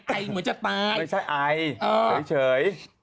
อ่านตามถี่ไอเฉย